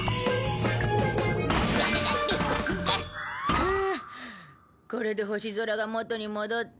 ふうこれで星空が元に戻った。